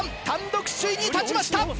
単独首位に立ちました